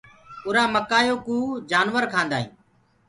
اور مڪآئي يو ڪوُ جآنور کآندآ هينٚ۔